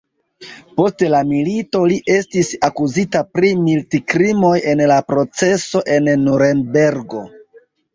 Post la milito li estis akuzita pri militkrimoj en la proceso en Nurenbergo.